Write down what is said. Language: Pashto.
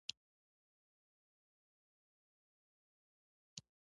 چنګښو له خدای څخه د پاچا غوښتنه وکړه.